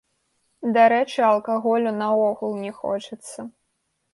Дарэчы, алкаголю наогул не хочацца.